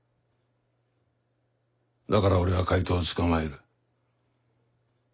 だから俺は怪盗を捕まえる。